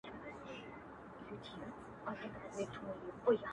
خواره وږې، څه به مومې د سوى د سږې.